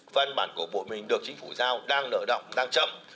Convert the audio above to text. văn bản của bộ mình được chính phủ giao đang nợ động đang chậm